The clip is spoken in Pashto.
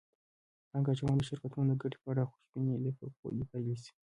پانګه اچوونکو د شرکتونو د ګټې په اړه خوشبیني د پولي پالیسۍ